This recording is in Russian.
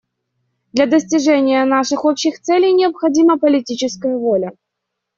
Для достижения наших общих целей необходима политическая воля.